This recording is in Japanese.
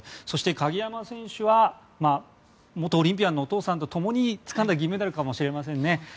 そして、鍵山選手は元オリンピアンのお父さんと共につかんだ銀メダルかもしれませんね。